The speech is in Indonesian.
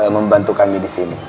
membantu kami disini